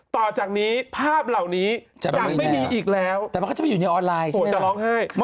ต่อจากนี้ภาพเหล่านี้จะไม่มีอีกแล้วแต่มันก็จะอยู่ในออนไลน์ใช่ไหม